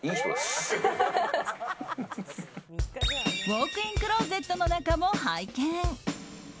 ウォークインクローゼットの中も拝見。